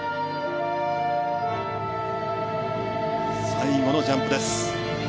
最後のジャンプです。